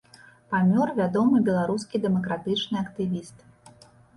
Памёр вядомы беларускі дэмакратычны актывіст.